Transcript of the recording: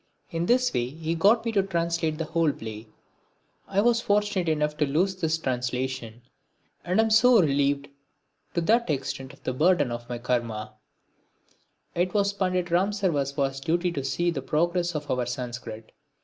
In this way he got me to translate the whole play. I was fortunate enough to lose this translation and so am relieved to that extent of the burden of my karma. It was Pandit Ramsarvaswa's duty to see to the progress of our Sanskrit.